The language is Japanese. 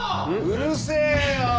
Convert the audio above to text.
うるせえよ！